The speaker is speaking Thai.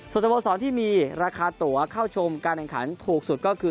ส่วนสโมสรที่มีราคาตัวเข้าชมการแข่งขันถูกสุดก็คือ